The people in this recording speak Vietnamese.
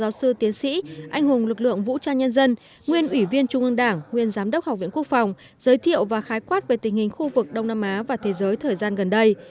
giáo sư tiến sĩ anh hùng lực lượng vũ trang nhân dân nguyên ủy viên trung ương đảng nguyên giám đốc học viện quốc phòng giới thiệu và khái quát về tình hình khu vực đông nam á và thế giới thời gian gần đây